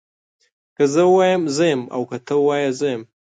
که زه ووایم زه يم او که ته ووايي زه يم